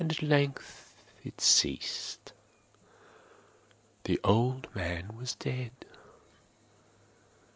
At length it ceased. The old man was dead.